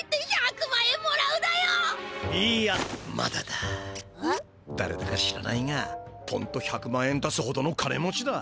だれだか知らないがポンと１００万円出すほどの金持ちだ。